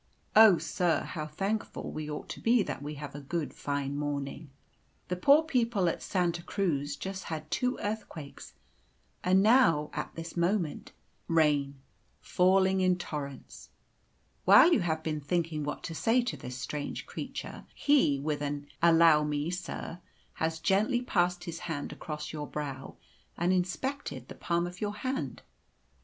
Oh, sir, how thankful we ought to be that we have a good, fine morning. The poor people at Santa Cruz just had two earthquakes, and now at this moment rain falling in torrents." While you have been thinking what to say to this strange creature, he, with an "Allow me, sir," has gently passed his hand across your brow, and inspected the palm of your hand.